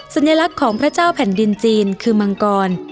สัญลักษณ์ของพระเจ้าแผ่นดินจีนคือมังกร